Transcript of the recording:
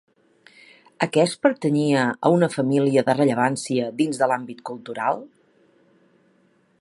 Aquest pertanyia a una família de rellevància dins de l'àmbit cultural?